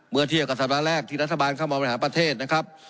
เมื่อเทียบกับสัปดาห์แรกที่รัฐบาลเข้ามาบริหารประเทศนะครับ